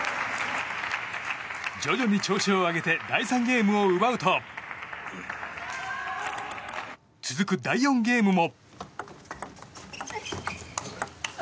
徐々に調子を上げて第３ゲームを奪うと続く第４ゲームも。